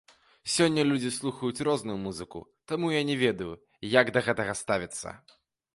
Сёння людзі слухаюць розную музыку, таму я не ведаю, як да гэтага ставіцца.